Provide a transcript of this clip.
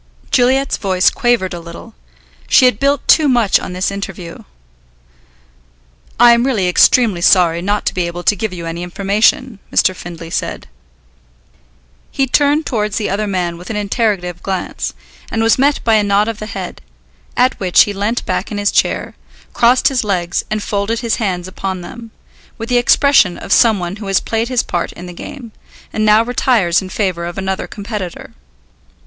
Juliet's voice quavered a little. She had built too much on this interview. "I am really extremely sorry not to be able to give you any information," Mr. Findlay said. He turned towards the other man with an interrogative glance, and was met by a nod of the head, at which he leant back in his chair, crossed his legs and folded his hands upon them, with the expression of some one who has played his part in the game, and now retires in favour of another competitor.